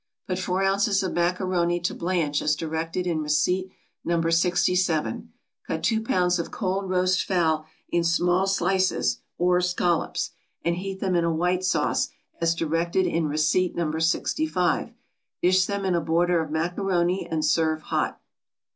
= Put four ounces of macaroni to blanch as directed in receipt No. 67. Cut two pounds of cold roast fowl in small slices, or scallops; and heat them in a white sauce, as directed in receipt No. 65: dish them in a border of macaroni, and serve hot.